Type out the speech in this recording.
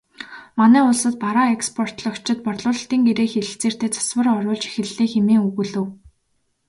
Манай улсад бараа экспортлогчид борлуулалтын гэрээ хэлэлцээртээ засвар оруулж эхэллээ хэмээн өгүүлэв.